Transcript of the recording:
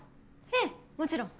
ええもちろん。